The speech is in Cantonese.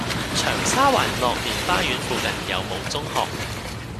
長沙灣樂年花園附近有無中學？